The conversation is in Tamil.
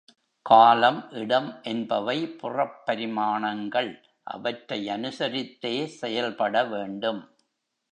காலம், இடம் என்பவை புறப் பரிமாணங்கள் அவற்றை அனுசரித்தே செயல்பட வேண்டும்.